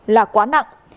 là quá nặng